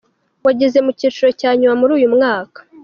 Wageze mu cyiciro cya nyuma muri uyu mwaka.